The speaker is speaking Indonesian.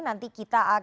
nanti kita akan menunggu